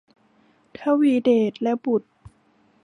ทวีเดชและบุตร